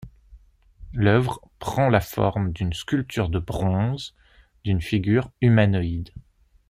L'œuvre prend la forme d'une sculpture de bronze d'une figure humanoïde.